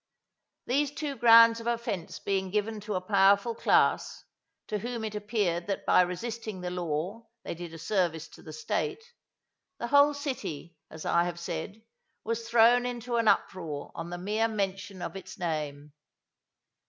These two grounds of offence being given to a powerful class, to whom it appeared that by resisting the law they did a service to the State, the whole city, as I have said, was thrown into an uproar on the mere mention of its name.